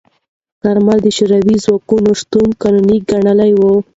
کارمل د شوروي ځواکونو شتون قانوني ګڼلی و.